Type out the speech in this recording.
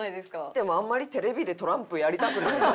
でもあんまりテレビでトランプやりたくない。